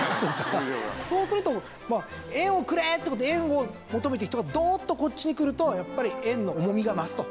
そうすると「円をくれ」って事で円を求めてる人がどっとこっちに来るとやっぱり円の重みが増すと。